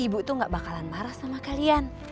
ibu itu gak bakalan marah sama kalian